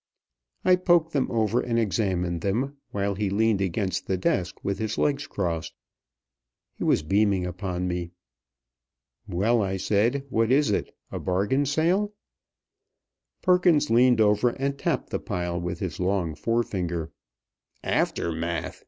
I poked them over and examined them, while he leaned against the desk with his legs crossed. He was beaming upon me. "Well," I said, "what is it a bargain sale?" Perkins leaned over and tapped the pile with his long forefinger. "Aftermath!"